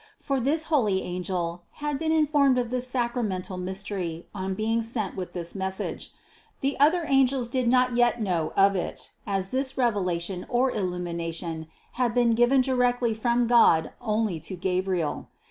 For this holy angel had been informed of this sacra mental mystery on being sent with this message. The other angels did not yet know of it, as this revelation or illumination had been given directly from God only to Gabriel.